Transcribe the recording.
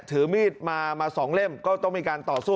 ถือมีดมามาสองเล่มก็ต้องมีการต่อสู้